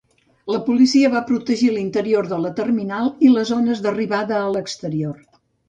La policia va protegir l'interior de la terminal i les zones d'arribada a l'exterior.